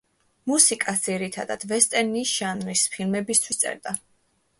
მუსიკას ძირითადად ვესტერნის ჟანრის ფილმებისთვის წერდა.